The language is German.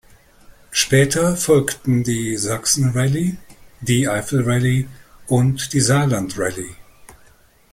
Später folgten die Sachsen-Rallye, die Eifel-Rallye und die Saarland-Rallye.